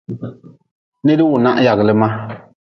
Nid-wunah yagli ma.